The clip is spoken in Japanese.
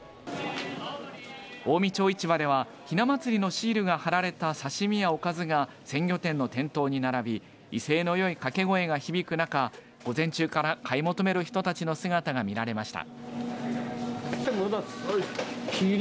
近江町市場ではひなまつりのシールが貼られた刺身やおかずが鮮魚店の店頭に並び威勢のよい掛け声が響く中午前中から買い求める人たちの姿が見られました。